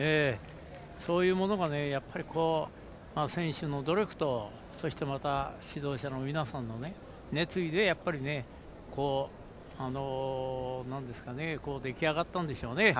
そういうものが選手の努力とそしてまた指導者の皆さんの熱意で出来上がったんでしょうね。